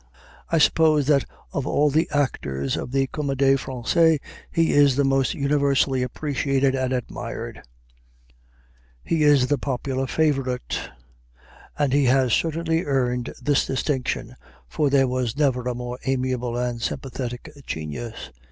I suppose that of all the actors of the Comédie Française he is the most universally appreciated and admired; he is the popular favorite. And he has certainly earned this distinction, for there was never a more amiable and sympathetic genius.